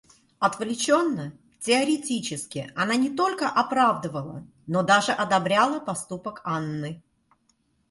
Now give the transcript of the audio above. Отвлеченно, теоретически, она не только оправдывала, но даже одобряла поступок Анны.